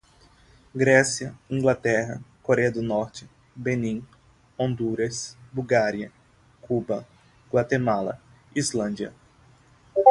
Grécia, Inglaterra, Coreia do Norte, Benim, Honduras, Bulgária, Cuba, Guatemala, Islândia